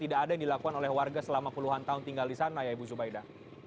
tidak ada yang dilakukan oleh warga selama puluhan tahun tinggal di sana ya ibu zubaida